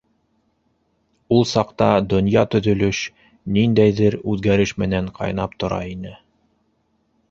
Ул саҡта донъя төҙөлөш, ниндәйҙер үҙгәреш менән ҡайнап тора ине.